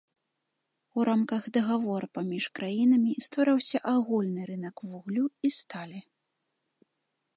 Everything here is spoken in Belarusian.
У рамках дагавора паміж краінамі ствараўся агульны рынак вуглю і сталі.